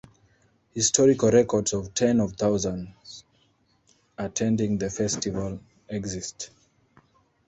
Historical records of tens of thousands attending the festival exist.